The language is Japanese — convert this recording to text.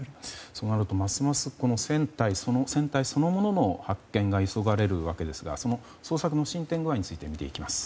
そうなるとますます船体そのものの発見が急がれるわけですがその捜索の進展具合について見ていきます。